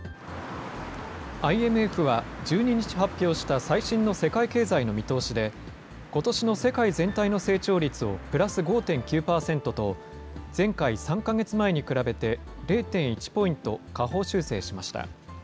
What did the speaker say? ＩＭＦは１２日発表した最新の世界経済の見通しで、ことしの世界全体の成長率をプラス５．９％と、前回・３か月前に比べて０．１ポイント下方修正しました。